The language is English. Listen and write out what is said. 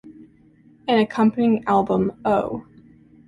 An accompanying album, Oh!